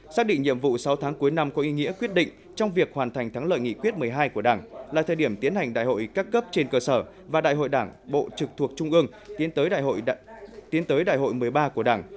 xác định nhiệm vụ sáu tháng cuối năm có ý nghĩa quyết định trong việc hoàn thành thắng lợi nghị quyết một mươi hai của đảng là thời điểm tiến hành đại hội các cấp trên cơ sở và đại hội đảng bộ trực thuộc trung ương tiến tới đại hội một mươi ba của đảng